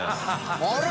「あれ？